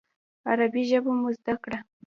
عربي ژبه مو زده کړه.